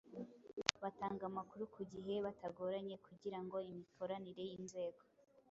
batanga amakuru ku gihe batagoranye kugira ngo imikoranire y’inzego